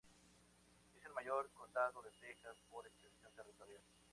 Es el mayor condado de Texas, por extensión territorial.